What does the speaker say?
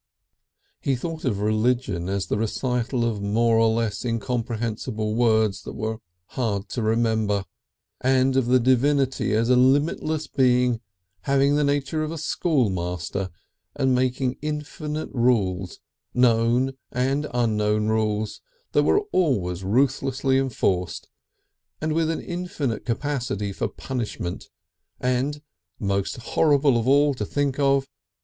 He thought of religion as the recital of more or less incomprehensible words that were hard to remember, and of the Divinity as of a limitless Being having the nature of a schoolmaster and making infinite rules, known and unknown rules, that were always ruthlessly enforced, and with an infinite capacity for punishment and, most horrible of all to think of!